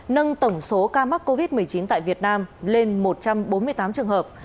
nâng tổng số ca mắc covid một mươi chín tại việt nam lên một trăm bốn mươi tám trường hợp